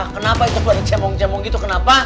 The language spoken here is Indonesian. kenapa itu pada cemung cemung gitu